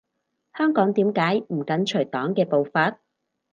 香港點解唔緊隨黨嘅步伐？